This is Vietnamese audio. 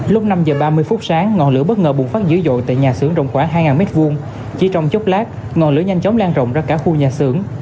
lúc năm h ba mươi phút sáng ngọn lửa bất ngờ bùng phát dữ dội tại nhà xưởng rộng khoảng hai m hai chỉ trong chốc lát ngọn lửa nhanh chóng lan rộng ra cả khu nhà xưởng